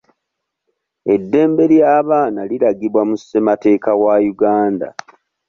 Eddembe ly'abaana liragibwa mu ssemateeka wa Uganda.